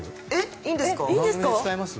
いいんですか？